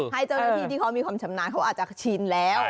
ให้เจ้าหน้าที่ที่เขามีความชำนาญเขาอาจจะชินแล้ว